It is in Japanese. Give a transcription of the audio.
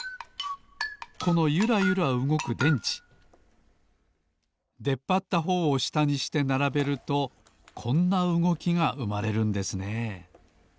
このゆらゆらうごく電池でっぱったほうをしたにしてならべるとこんなうごきがうまれるんですね